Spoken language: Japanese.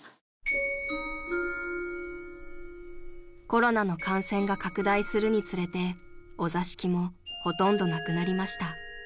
［コロナの感染が拡大するにつれてお座敷もほとんどなくなりました］